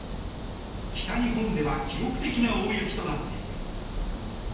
北日本では記録的な大雪となっています。